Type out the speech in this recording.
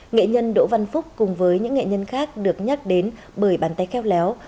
nghệ nhân đỗ văn phúc cùng với những nghệ nhân khác được nhắc đến bởi bàn tay khéo léo